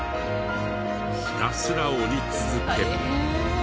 ひたすら折り続ける。